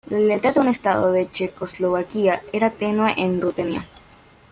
La lealtad a un Estado de Checoslovaquia era tenue en Rutenia.